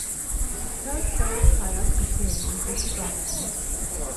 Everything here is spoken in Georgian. მთელ სხეულს ფარავს გრძელი, უხეში ბალანი.